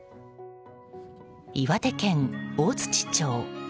岩手県大槌町。